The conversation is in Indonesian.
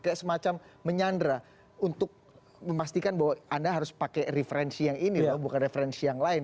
kayak semacam menyandra untuk memastikan bahwa anda harus pakai referensi yang ini loh bukan referensi yang lain